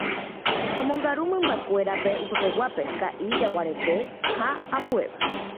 omongaru mymbakuéra upepeguápe, ka'i, jaguarete ha ambuéva.